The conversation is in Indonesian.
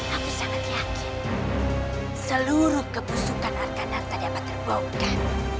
aku sangat yakin seluruh kebusukan arkhanata dapat terbongkar